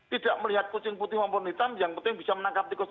tidak melihat kucing putih maupun hitam yang penting bisa menangkap tikus